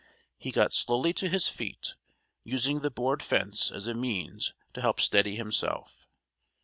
He got slowly to his feet, using the board fence as a means to help steady himself.